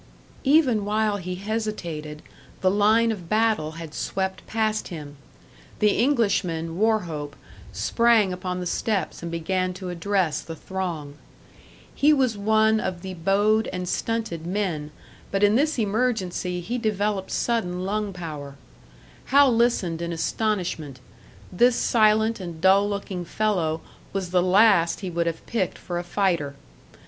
Even while he hesitated, the line of battle had swept past him; the Englishman, Wauchope, sprang upon the steps and began to address the throng. He was one of the bowed and stunted men, but in this emergency he developed sudden lung power. Hal listened in astonishment; this silent and dull looking fellow was the last he would have picked for a fighter.